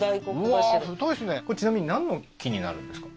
これちなみに何の木になるんですか？